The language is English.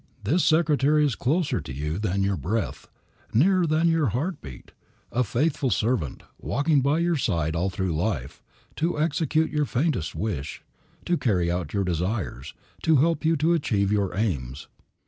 This secretary is closer to you than your breath, nearer than your heart beat, a faithful servant, walking by your side all through life, to execute your faintest wish, to carry out your desires, to help you to achieve your aims.